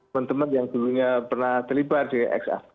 teman teman yang dulunya pernah terlibat di x